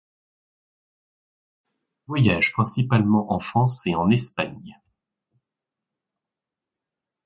Il voyage principalement en France et en Espagne.